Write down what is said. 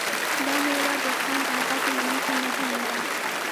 دا مېوه د خوند او ګټې له مخې مهمه ده.